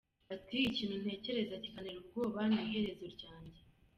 Ati “Ikintu ntekereza kikantera ubwoba ni iherezo ryanjye.